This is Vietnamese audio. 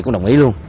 cũng đồng ý luôn